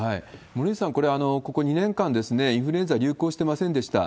森内さん、ここ２年間、インフルエンザは流行してませんでした。